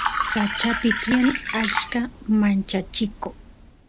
sachapi tiyan achka manchachiko